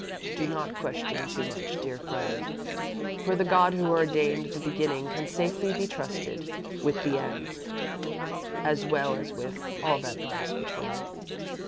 "Do not question too much, dear friend, for the God who ordained the beginning can safely be trusted with the end, as well as with all that lies between.